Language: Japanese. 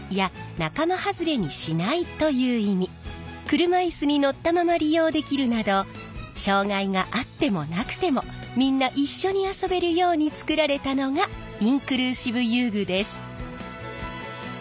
車いすに乗ったまま利用できるなど障がいがあってもなくてもみんな一緒に遊べるように作られたのがインクルーシブ遊具です。